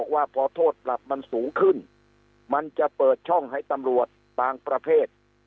ว่าพอโทษปรับมันสูงขึ้นมันจะเปิดช่องให้ตำรวจบางประเภท